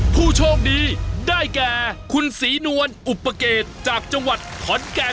ผู้โชคดีได้แก่คุณศรีนวลอุปเกตจากจังหวัดขอนแก่น